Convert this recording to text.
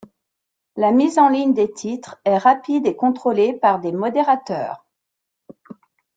La mise en ligne des titres est rapide et contrôlé par des modérateurs.